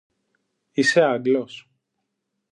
Είσαι Άγγλος;